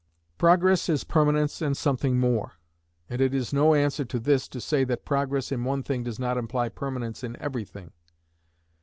Progress is permanence and something more; and it is no answer to this to say that Progress in one thing does not imply Permanence in every thing.